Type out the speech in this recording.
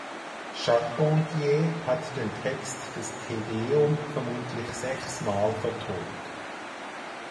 Charpentier hat den Text des Te Deum vermutlich sechsmal vertont.